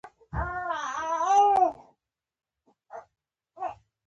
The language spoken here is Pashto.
د احمدشاه بابا واکمني د افغانانو لپاره د عزت زمانه وه.